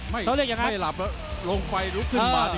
ไม่หลับลงไฟลุกขึ้นมา